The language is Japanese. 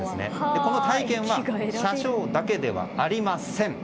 この体験は車掌だけではありません。